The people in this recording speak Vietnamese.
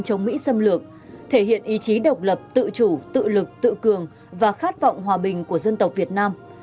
chống mỹ xâm lược thể hiện ý chí độc lập tự chủ tự lực tự cường và khát vọng hòa bình của dân tộc việt nam